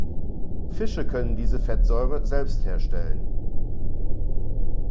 Fische können diese Fettsäure selbst herstellen.